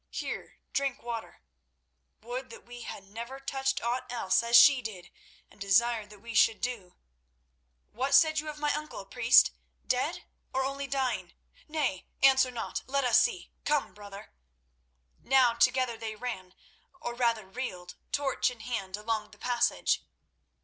Here, drink water. Would that we had never touched aught else, as she did, and desired that we should do. What said you of my uncle, priest? Dead, or only dying? Nay, answer not, let us see. Come, brother." Now together they ran, or rather reeled, torch in hand, along the passage.